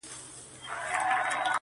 هله به مړ سمه چي ستا له سينکي خاله وځم،